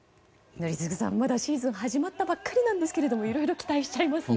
宜嗣さんシーズン始まったばかりですがいろいろ期待しちゃいますよね。